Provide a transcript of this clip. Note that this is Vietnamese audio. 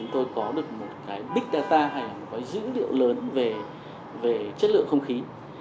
ta hãy có dữ liệu lớn về chất lượng không khí